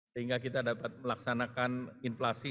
sehingga kita dapat melaksanakan inflasi